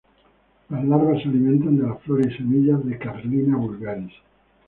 Las larvas se alimentan de las flores y semillas de "Carlina vulgaris".